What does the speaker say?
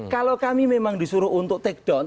kalau kami memang disuruh untuk take down